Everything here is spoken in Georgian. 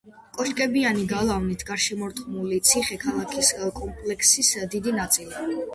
კოშკებიანი გალავნით გარშემორტყმული ციხე-ქალაქის კომპლექსის დიდი ნაწილი.